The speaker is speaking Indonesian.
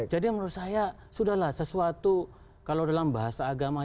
jadi menurut saya sudah lah sesuatu kalau dalam bahasa agama